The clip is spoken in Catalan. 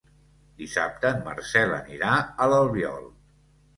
Dissabte en Marcel anirà a l'Albiol.